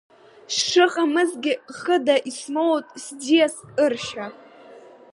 Сшыҟамызгьы хыда, исмоут сӡиас ыршьа.